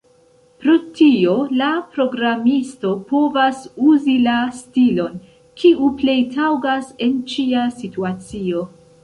Pro tio, la programisto povas uzi la stilon, kiu plej taŭgas en ĉia situacio.